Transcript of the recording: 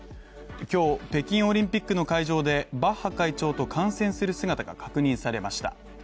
今日、北京オリンピックの海上でバッハ会長と観戦する姿が確認されました。